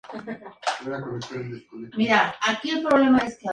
El sol representa el ambiente y la ola representa el mar.